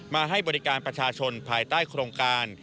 มาให้บริการประชาชนภายใต้โครงการ